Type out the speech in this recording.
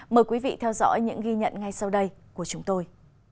mời quý vị theo dõi những ghi nhận ngay sau đây của chúng tôi